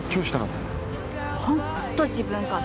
ホント自分勝手。